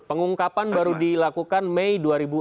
pengungkapan baru dilakukan mei dua ribu enam belas